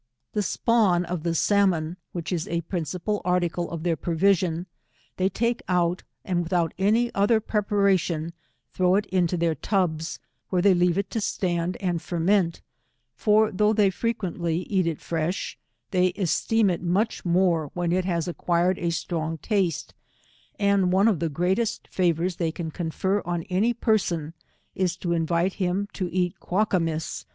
The spawn of the salmon, which is a principal article of their provision, they take out, and with out any other preparation, throw it into their tubs, where they leave it to stand and ferment, for though they frequently eat it Iresh, they esteem it much more when it has acquired a strong taste, and one of the greatest favours they can confer on any peiaon, is to invite him to eat Quakamiss.